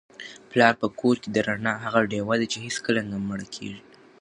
پلار په کور کي د رڼا هغه ډېوه ده چي هیڅکله نه مړه کیږي.